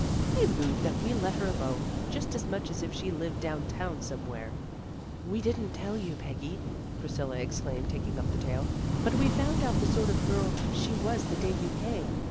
I move that we let her alone, just as much as if she lived down town somewhere." " We didn't tell you, Peggy," Priscilla ex claimed, taking up the tale. " But we found out the sort of girl she was the day you came.